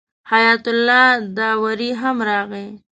حیات الله داوري هم راغی.